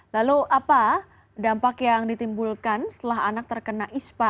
lalu apa dampak yang ditimbulkan setelah anak terkena ispa